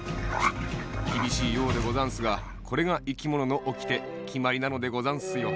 きびしいようでござんすがこれがいきもののおきてきまりなのでござんすよ。